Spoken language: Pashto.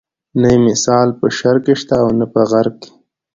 نه یې مثال په شرق کې شته او نه په غرب کې.